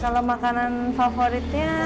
kalau makanan favoritnya